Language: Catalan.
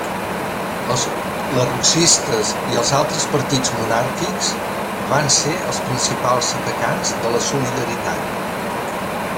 Els lerrouxistes i els altres partits monàrquics van ser els principals atacants de la Solidaritat.